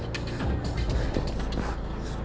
tidak ada yang bisa dipercaya